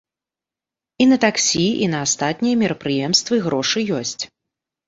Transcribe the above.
І на таксі, і на астатнія мерапрыемствы грошы ёсць.